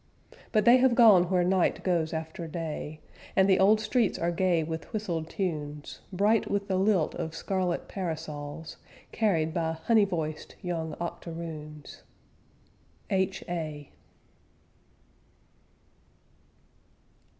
But they have gone where night goes after day, And the old streets are gay with whistled tunes, Bright with the lilt of scarlet parasols, Carried by honey voiced young octoroons. H.A.